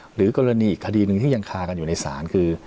หรือกรณีอีกคดีหนึ่งที่ยังคากันอยู่ในศาลคือ